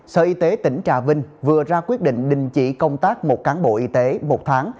sở y tế tỉnh trà vinh vừa ra quyết định đình chỉ công tác một cán bộ y tế một tháng